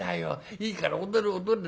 いいから踊れ踊れ。